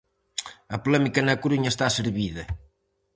A polémica na Coruña está servida.